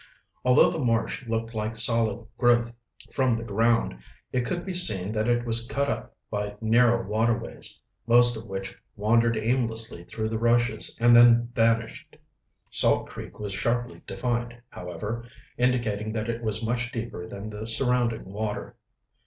Although the marsh looked like solid growth from the ground, it could be seen that it was cut up by narrow waterways, most of which wandered aimlessly through the rushes and then vanished. Salt Creek was sharply defined, however, indicating that it was much deeper than the surrounding water.